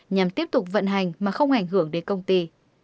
nhằm tiếp tục vận hành mà không ảnh hưởng đến công ty